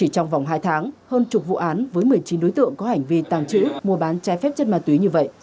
trong vòng hai tháng hơn chục vụ án với một mươi chín đối tượng có hành vi tàng trữ mua bán trái phép chất ma túy như vậy